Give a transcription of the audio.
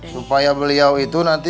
supaya beliau itu nanti